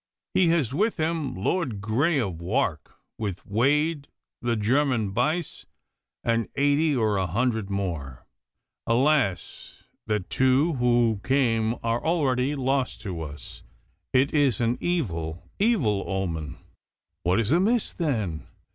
He has with him Lord Grey of Wark, with Wade, the German Buyse, and eighty or a hundred more. Alas! that two who came are already lost to us. It is an evil, evil omen.' 'What is amiss, then?